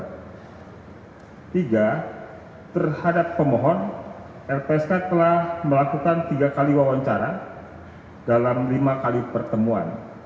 ketiga terhadap pemohon lpsk telah melakukan tiga kali wawancara dalam lima kali pertemuan